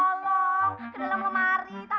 sampai mami nemuin sherry ya